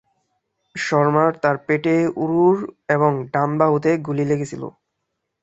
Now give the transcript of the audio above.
শর্মার তাঁর পেটে, উরুর এবং ডান বাহুতে গুলি লেগেছিল।